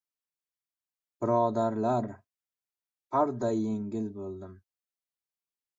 Birodarlar, parday yengil bo‘ldim!